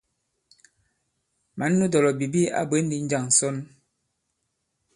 Mǎn nu dɔ̀lɔ̀bìbi a bwě ndi njâŋ ǹsɔn ?